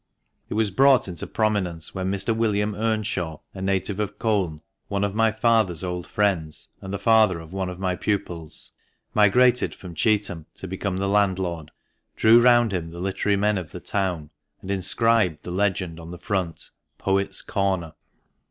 It was brought into prominence when Mr. William Earnshaw, a native of Colne, one of my father's old friends, and the father of one of my pupils, migrated from Cheetham to become the landlord, drew round him the literary men of the town, and inscribed the legend on the front, "Poets' Corner."